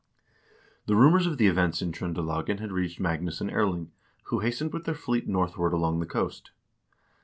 The rumors of the events in Tr0ndelagen had reached Magnus and Erling, who hastened with their fleet northward along the coast.